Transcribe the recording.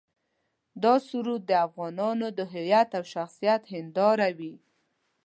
دا سرود د افغانانو د هویت او شخصیت هنداره وي.